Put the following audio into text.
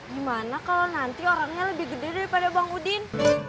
gimana kalau nanti orangnya lebih gede daripada bang udin